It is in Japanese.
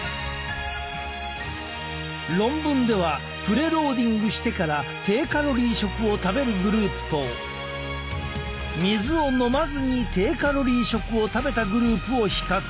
論文ではプレ・ローディングしてから低カロリー食を食べるグループと水を飲まずに低カロリー食を食べたグループを比較。